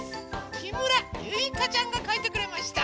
きむらゆいかちゃんがかいてくれました。